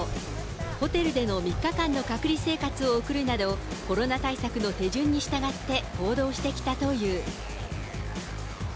ホテルでの３日間の隔離生活を送るなど、コロナ対策の手順に従って行動してきたという。